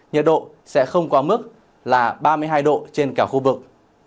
nhật độ sẽ không qua mức là ba mươi hai độ trên cả khu vực